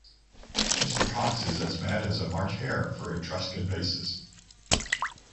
Mr. Cox is as mad as a March hare for Etruscan vases.